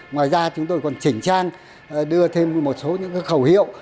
ngoài ra chúng tôi còn chỉnh trang đưa thêm một số những khẩu hiệu